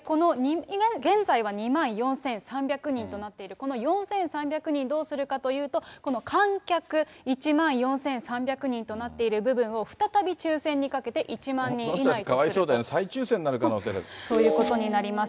現在は２万４３００人となっている、この４３００人どうするかというと、この観客１万４３００人となっている部分を再び抽せんにかけて１かわいそうだよね、そういうことになります。